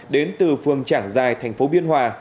đến từ phường trảng giài thành phố biên hòa